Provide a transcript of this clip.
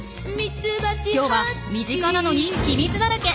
今日は身近なのに秘密だらけ！